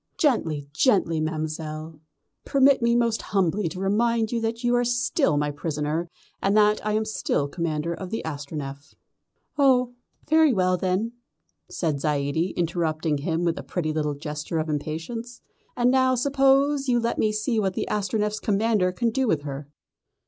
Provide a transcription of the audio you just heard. "Gently, gently, Ma'm'selle; permit me most humbly to remind you that you are still my prisoner, and that I am still Commander of the Astronef." "Oh, very well then," said Zaidie, interrupting him with a pretty little gesture of impatience, "and now suppose you let me see what the Astronef's commander can do with her."